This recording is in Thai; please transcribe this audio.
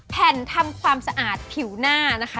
แผ่นทำความสะอาดผิวหน้านะคะ